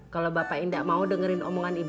kalau bapak ibu nggak mau dengerin omongan ibu